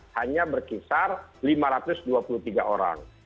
hanya berkisar lima ratus dua puluh tiga orang